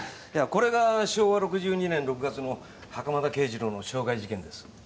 これが昭和６２年６月の袴田啓二郎の傷害事件です。